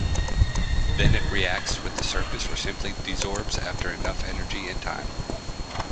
Then it reacts with the surface or simply desorbs after enough energy and time.